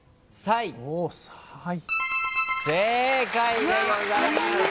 正解でございます。